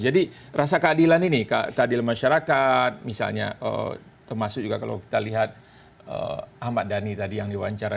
rasa keadilan ini keadilan masyarakat misalnya termasuk juga kalau kita lihat ahmad dhani tadi yang diwawancara